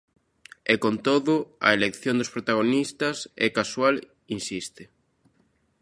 E, con todo, a elección dos protagonistas "é casual", insiste.